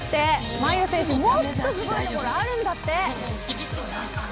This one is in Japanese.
真佑選手、もっとすごいところあるんだって。